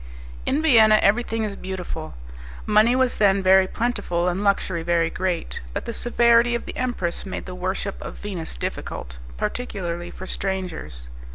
In Vienna everything is beautiful; money was then very plentiful, and luxury very great; but the severity of the empress made the worship of Venus difficult, particularly for strangers.